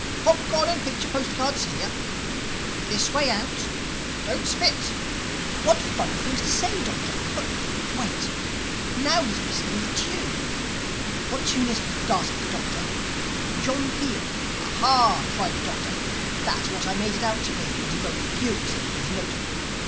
'Popcorn and picture postcards here'.... 'This way out'.... 'Don't spit'—What funny things to say, Doctor!—Oh, but wait!—Now he's whistling the tune." "What tune is it?" gasped the Doctor. "John Peel." "Ah hah," cried the Doctor, "that's what I made it out to be." And he wrote furiously in his note book.